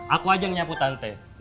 aku aja yang nyapu tante